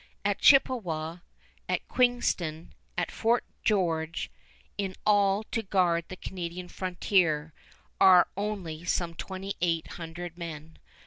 At Chippewa, at Queenston, at Fort George, in all to guard the Canadian frontier are only some twenty eight hundred men.